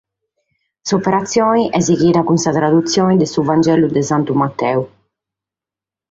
S’operatzione est sighida cun sa tradutzione de su Vangelu de Santu Mateu.